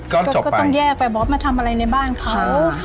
ก็ต้องแยกไปบอสมาทำอะไรในบ้านเขา